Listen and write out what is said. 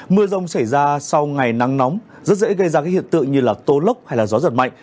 mưa rông xảy ra sau ngày nắng nóng rất dễ gây ra các hiện tượng như tố lốc hay gió giật mạnh